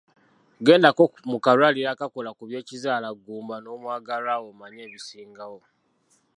Gendako mu kalwaliro akakola ku by'Ekizaalaggumba n'omwagalwa wo omanye ebisingawo.